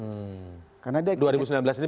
dua ribu sembilan belas ini panggung terakhir maksudnya